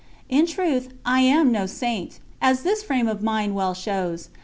In truth I am no Saint, as this frame of mind well shows.